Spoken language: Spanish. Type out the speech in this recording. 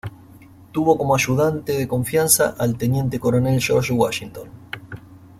Tuvo como ayudante de confianza al teniente coronel George Washington.